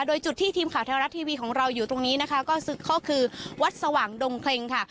โดยจุดที่ทีมข่าวไทยรัฐทีวีของเราอยู่ตรงนี้นะคะก็คือวัดสว่างดงเครงค่ะ